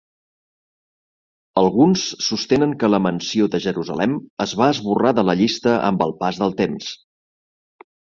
Alguns sostenen que la menció de Jerusalem es va esborrar de la llista amb el pas del temps.